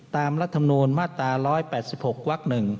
รัฐมนูลมาตรา๑๘๖วัก๑